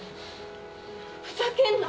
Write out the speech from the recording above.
ふざけんな！